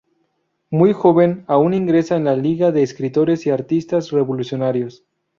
Muy joven aun ingresa en la Liga de Escritores y Artistas Revolucionarios.